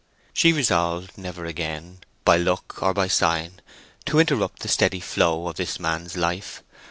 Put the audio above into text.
She resolved never again, by look or by sign, to interrupt the steady flow of this man's life.